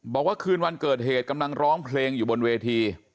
บอกว่าคืนวันเกิดเหตุกำลังร้องเพลงอยู่บนเวที